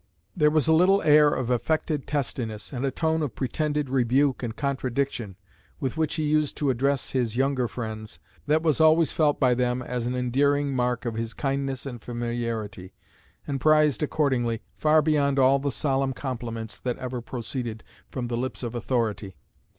There was a little air of affected testiness, and a tone of pretended rebuke and contradiction, with which he used to address his younger friends, that was always felt by them as an endearing mark of his kindness and familiarity, and prized accordingly, far beyond all the solemn compliments that ever proceeded from the lips of authority.